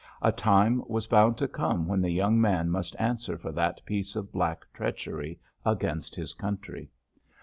A time was bound to come when the young man must answer for that piece of black treachery against his country.